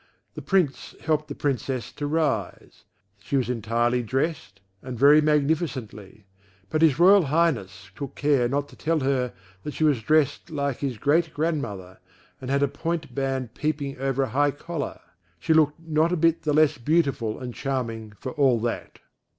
The Prince helped the Princess to rise, she was entirely dressed, and very magnificently, but his Royal Highness took care not to tell her that she was dressed like his great grand mother, and had a point band peeping over a high collar; she looked not a bit the less beautiful and charming for all that.